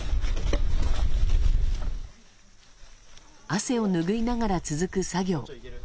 汗を拭いながら続く作業。